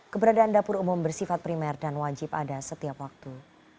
keberadaan dapur umum bersifat primer dan wajib ada setiap waktu